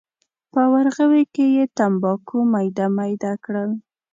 په ورغوي کې یې تنباکو میده میده کړل.